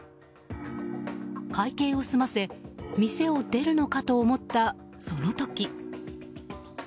会計を済ませ店を出るのかと思った、その時。